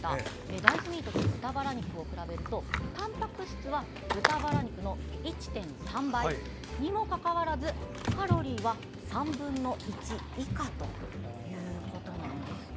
大豆ミートと豚バラ肉を比べるとたんぱく質は、豚バラ肉の１．３倍にもかかわらずカロリーは３分の１以下ということなんですよ。